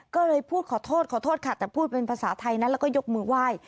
ก็เลยพูดขอโทษขอโทษค่ะแต่พูดเป็นภาษาไทยนั้นแล้วก็ยกมือไหว้